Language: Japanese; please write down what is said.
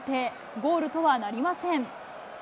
ゴールとはなりません。